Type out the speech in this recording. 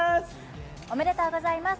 おめでとうございます！